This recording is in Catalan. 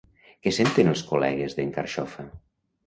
Què senten els col·legues d'en Carxofa?